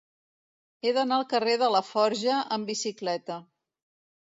He d'anar al carrer de Laforja amb bicicleta.